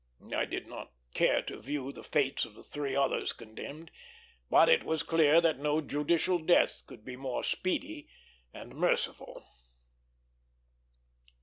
I did not care to view the fates of the three others condemned, but it was clear that no judicial death could be more speedy and merciful.